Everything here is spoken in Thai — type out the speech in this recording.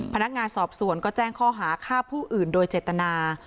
พนักงานสอบสวนก็แจ้งข้อหาฆ่าผู้อื่นโดยเจตนา